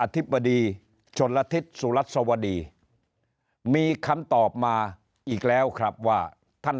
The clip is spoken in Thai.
ธิบดีชนละทิศสุรัสวดีมีคำตอบมาอีกแล้วครับว่าท่าน